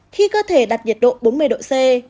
khi cơ thể đặt nhiệt độ bốn mươi độ c